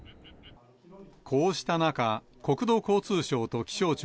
こうした中、国土交通省と気象庁